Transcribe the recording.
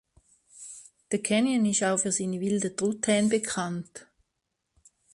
Der Canyon ist auch für seine wilden Truthähne bekannt.